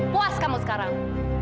puas kamu sekarang